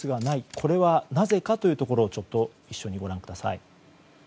これはなぜかというところを一緒にご覧ください。